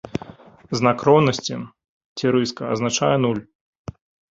Знак роўнасці ці рыска азначае нуль.